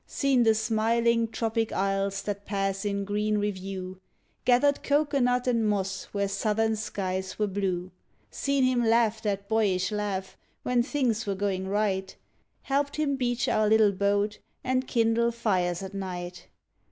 Seen the smiling, Tropic isles that pass, in green review, Gathered cocoanut and moss where Southern skies were blue. Seen him laugh that boyish laugh, when things were goin' right; Helped him beach our little boat and kindle fires at night.